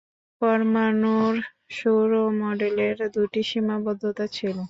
পরমাণুর সৌর মডেলের দুটি সীমাবদ্ধতা ছিলো।